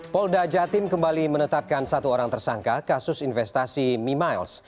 polda jatim kembali menetapkan satu orang tersangka kasus investasi mimiles